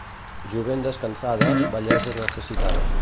Joventut descansada, vellesa necessitada.